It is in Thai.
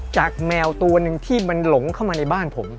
แมวตัวหนึ่งที่มันหลงเข้ามาในบ้านผม